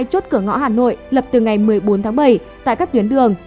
hai mươi chốt cửa ngõ hà nội lập từ ngày một mươi bốn tháng bảy tại các tuyến đường